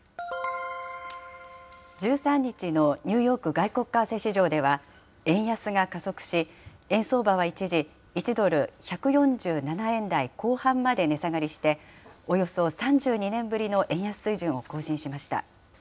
１３日のニューヨーク外国為替市場では円安が加速し、円相場は一時、１ドル１４７円台後半まで値下がりして、およそ３２年ぶりの円安水準を更新しました。